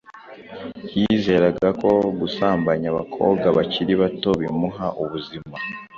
yizeraga ko gusambanya abakobwa bakiri bato bimuha ubuzima